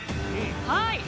はい。